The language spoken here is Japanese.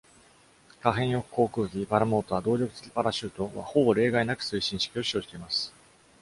可変翼航空機、パラモーター、動力付きパラシュートは、ほぼ例外なく推進式を使用しています。